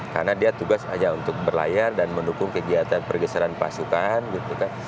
karena dia tugas aja untuk berlayar dan mendukung kegiatan pergeseran pasukan gitu kan